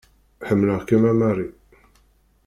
Ḥemmeleɣ-kem, a Mary.